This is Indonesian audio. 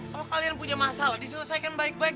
kalau kalian punya masalah diselesaikan baik baik